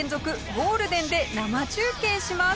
ゴールデンで生中継します。